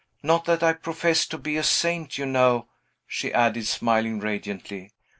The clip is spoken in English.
Not that I profess to be a saint, you know," she added, smiling radiantly.